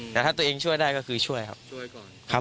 แต่ถ้าตัวเองช่วยได้ก็คือช่วยครับ